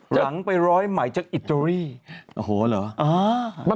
เห็นไหมล่ะ